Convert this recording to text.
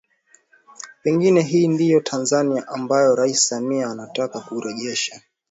Pengine hii ndiyo Tanzania ambayo Rais Samia anataka kuirejesha